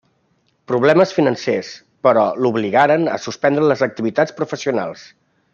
Problemes financers, però, l'obligaren a suspendre les activitats professionals.